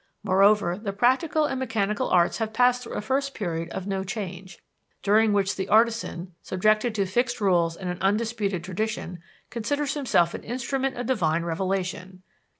Moreover, the practical and mechanical arts have passed through a first period of no change, during which the artisan, subjected to fixed rules and an undisputed tradition, considers himself an instrument of divine revelation.